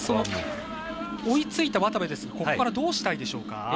追いついた渡部ですがここからどうしたいでしょうか。